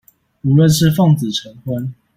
無論是奉子成婚